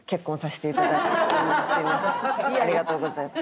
ありがとうございます。